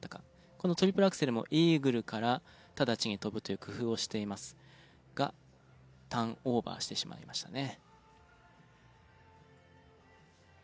このトリプルアクセルもイーグルから直ちに跳ぶという工夫をしていますがターンオーバーしてしまいましたね。